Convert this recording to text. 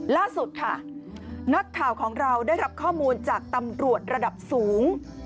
ล่าสุดค่ะนักข่าวของเราได้รับข้อมูลจากตำรวจระดับสูง